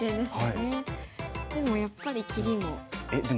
でもやっぱり切りも。